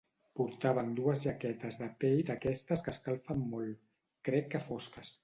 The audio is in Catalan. Portaven dues jaquetes de pell d'aquestes que escalfen molt... crec que fosques...